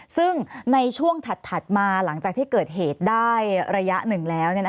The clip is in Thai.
ซึ่งในช่วงถัดมาหลังจากที่เกิดเหตุได้ระยะหนึ่งแล้ว